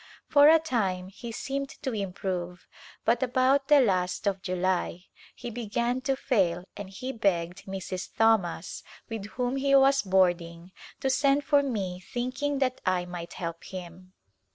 For a time he seemed to improve but about the last of July he began to fail and he begged Mrs. Thomas with whom he was boarding to send for me thinking that I might help him.